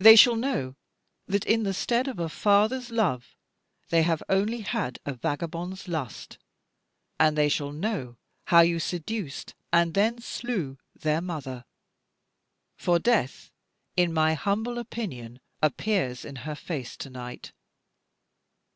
They shall know that in the stead of a father's love they have only had a vagabond's lust, and they shall know how you seduced and then slew their mother; for death, in my humble opinion, appears in her face to night.